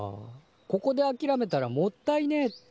ここであきらめたらもったいねえって。